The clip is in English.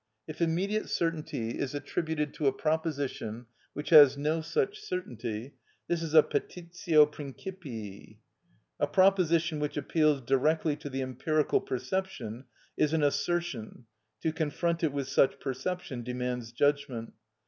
If immediate certainty is attributed to a proposition which has no such certainty, this is a petitio principii. A proposition which appeals directly to the empirical perception is an assertion: to confront it with such perception demands judgment.